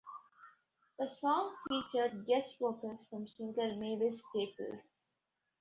The song featured guest vocals from singer Mavis Staples.